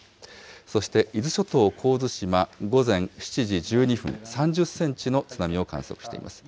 そして伊豆諸島神津島、午前７時１２分、３０センチの津波を観測しています。